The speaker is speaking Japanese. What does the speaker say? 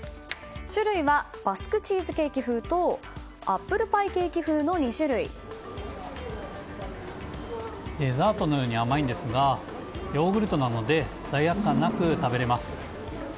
種類はバスクチーズケーキ風とデザートのように甘いんですがヨーグルトなので罪悪感なく食べられます。